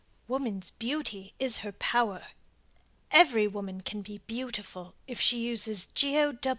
] WOMAN'S BEAUTY IS HER POWER Every woman can be beautiful if she uses Geo.